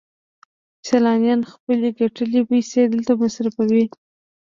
سیلانیان خپلې ګټلې پیسې دلته مصرفوي